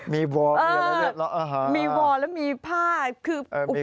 มีวอลแล้วมีผ้าคืออุปกรณ์ที่ครบ